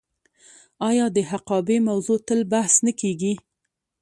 آیا د حقابې موضوع تل بحث نه کیږي؟